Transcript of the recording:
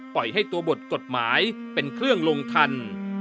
ปล่อยให้ตัวบทกฎหมายเป็นเครื่องลงทัน